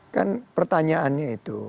kan pertanyaannya itu